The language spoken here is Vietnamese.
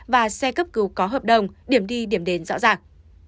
và xe cấp cứu có hợp đồng điểm đi điểm đến rõ ràng